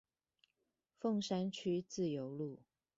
鳳山區自由路